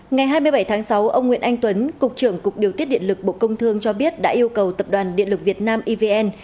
ngày hai mươi bảy tháng sáu ông nguyễn anh tuấn cục trưởng cục điều tiết điện lực bộ công thương cho biết đã yêu cầu tập đoàn điện lực việt nam evn